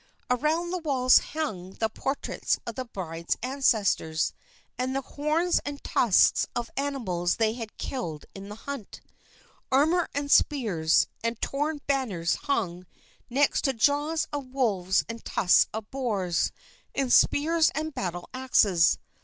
Around the walls hung the portraits of the bride's ancestors, and the horns and tusks of animals they had killed in the hunt. Armor and spears, and torn banners hung next to jaws of wolves and tusks of boars, and spears and battle axes.